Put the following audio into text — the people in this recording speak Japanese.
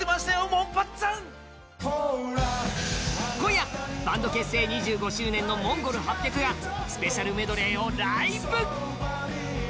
モンパッツァン今夜バンド結成２５周年のＭＯＮＧＯＬ８００がスペシャルメドレーをライブ